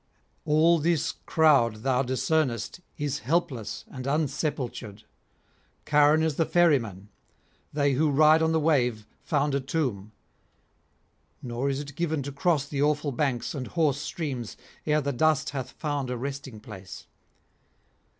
All this crowd thou discernest is helpless and unsepultured; Charon is the ferryman; they who ride on the wave found a tomb. Nor is it given to cross the awful banks and hoarse streams ere the dust hath found a resting place.